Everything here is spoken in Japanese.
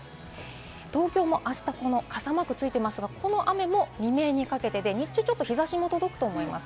東京も傘マークがついていますが、この雨も未明にかけてで、日中は日差しも届くと思います。